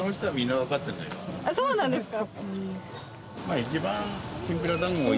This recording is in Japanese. そうなんですか。